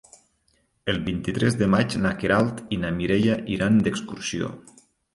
El vint-i-tres de maig na Queralt i na Mireia iran d'excursió.